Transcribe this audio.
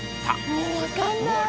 もうわからない。